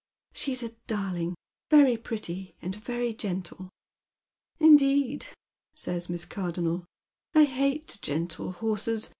"" She's a darling, very pretty, and very gentle." "Indeed," says Miss Cardonnel. "I hate gentle horses.